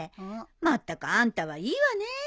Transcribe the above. まったくあんたはいいわねえ。